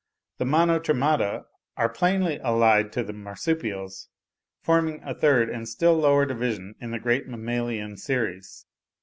The Monotremata are plainly allied to the Marsupials, forming a third and still lower division in the great mammalian series.